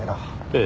ええ。